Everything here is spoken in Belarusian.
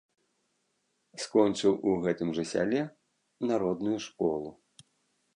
Скончыў у гэтым жа сяле народную школу.